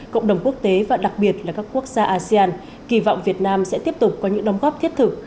cộng đồng quốc tế và đặc biệt là các quốc gia asean kỳ vọng việt nam sẽ tiếp tục có những đóng góp thiết thực